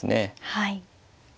はい。